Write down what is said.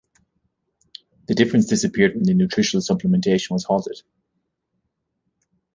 The difference disappeared when the nutritional supplementation was halted.